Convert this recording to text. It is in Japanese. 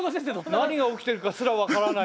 何が起きてるかすら分からない。